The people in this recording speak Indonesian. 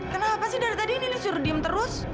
kenapa sih dari tadi ini disuruh diem terus